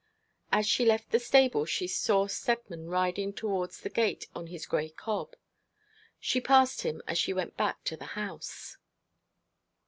As she left the stable she saw Steadman riding towards the gate on his grey cob. She passed him as she went back to the house.